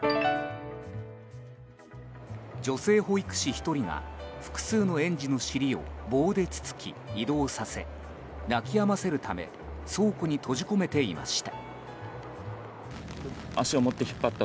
女性保育士１人が複数の園児の尻を棒でつつき移動させ泣き止ませるため倉庫に閉じ込めていました。